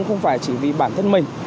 không phải chỉ vì bản thân mình